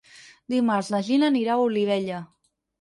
Dimarts na Gina anirà a Olivella.